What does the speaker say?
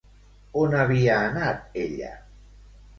On havia anat ella?